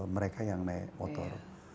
mereka yang naik motor